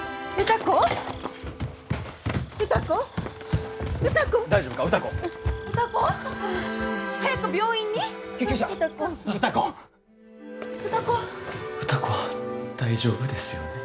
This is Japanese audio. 歌子は大丈夫ですよね？